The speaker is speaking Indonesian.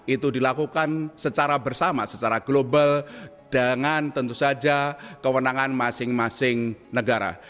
itu dilakukan secara bersama secara global dengan tentu saja kewenangan masing masing negara